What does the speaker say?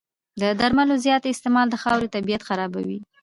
د درملو زیات استعمال د خاورې طبعیت خرابوي.